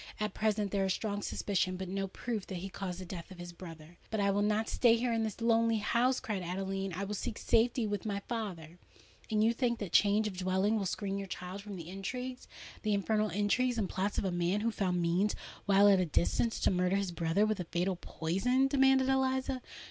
At present there is strong suspicion—but no proof—that he caused the death of his brother." "But I will not stay here—in this lonely house," cried Adeline: "I will seek safety with my father!" "And think you that change of dwelling will screen your child from the intrigues—the infernal intrigues and plots of a man who found means, while at a distance, to murder his brother with a fatal poison?" demanded Eliza.